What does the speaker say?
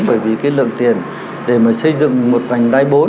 bởi vì cái lượng tiền để mà xây dựng một vành đai bốn